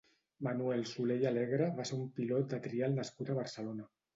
Manuel Soler i Alegre va ser un pilot de trial nascut a Barcelona.